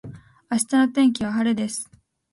明日の天気は晴れです。